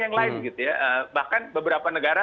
yang lain bahkan beberapa negara